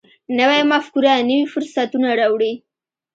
نوې مفکوره نوي فرصتونه راوړي